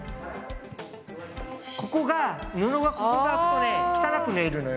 ここが布がここが浮くとね汚く縫えるのよ。